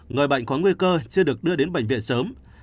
người bệnh có nguy cơ sẽ được đưa đến bệnh viện sớm